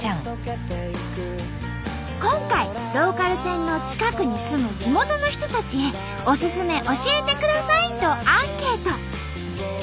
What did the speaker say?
今回ローカル線の近くに住む地元の人たちへおすすめ教えてくださいとアンケート。